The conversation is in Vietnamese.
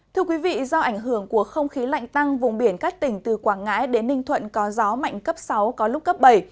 thưa quý vị do ảnh hưởng của không khí lạnh tăng vùng biển các tỉnh từ quảng ngãi đến ninh thuận có gió mạnh cấp sáu có lúc cấp bảy